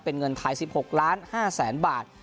เป็นเงินถ่าย๑๖๕๐๐๐๐๐บาท